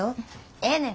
ええねん。